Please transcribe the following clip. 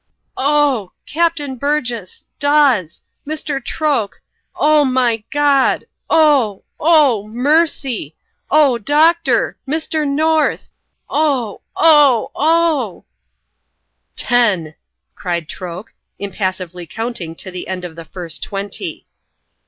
"Oh!...Captain Burgess!...Dawes!...Mr. Troke!...Oh, my God!... Oh! oh!...Mercy!...Oh, Doctor!...Mr. North!...Oh! Oh! Oh!" "Ten!" cried Troke, impassively counting to the end of the first twenty.